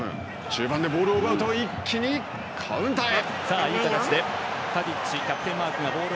中盤でボールを奪うと一気にカウンターへ。